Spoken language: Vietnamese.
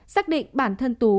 xác định bản thân tú